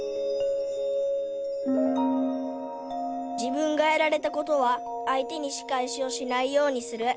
「自分がやられたことは相手にしかえしをしないようにする」。